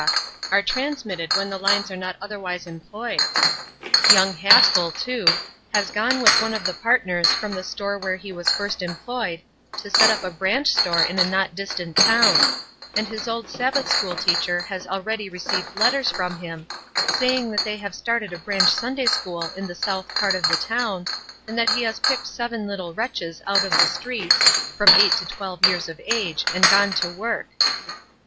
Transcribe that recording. are transmitted when the lines are not otherwise employed. Young Haskell, too, has gone with one of the partners from the store where he was first employed, to set up a branch store in a not distant town; and his old Sabbath school teacher has already received letters from him, saying that they have started a branch Sunday school in the south part of the town, and that he has picked seven little wretches out of the streets, from eight to twelve years of age, and gone to work.